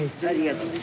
ありがと。